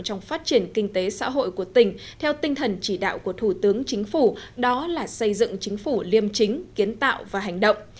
trong phát triển kinh tế xã hội của tỉnh theo tinh thần chỉ đạo của thủ tướng chính phủ đó là xây dựng chính phủ liêm chính kiến tạo và hành động